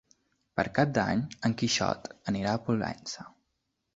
Per Cap d'Any en Quixot anirà a Pollença.